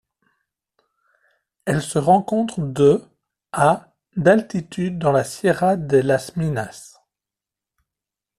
Elle se rencontre de à d'altitude dans la Sierra de las Minas.